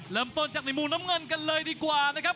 เริ่มต้นจากในมุมน้ำเงินกันเลยดีกว่านะครับ